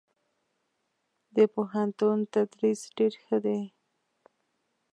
دپوهنتون تدريس ډير ښه دی.